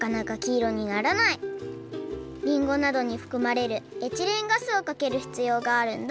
りんごなどにふくまれるエチレンガスをかけるひつようがあるんだ。